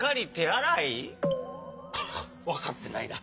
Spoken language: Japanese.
わかってないな。